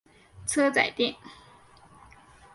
车仔电。